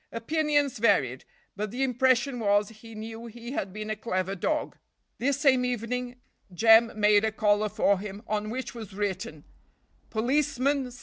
Opinions varied, but the impression was he knew he had been a clever dog. This same evening, Jem made a collar for him on which was written "Policeman C."